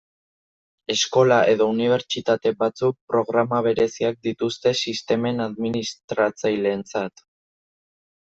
Eskola edo unibertsitate batzuk programa bereziak dituzte sistemen administratzaileentzat.